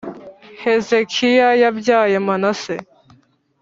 Hezekiya yabyaye Manase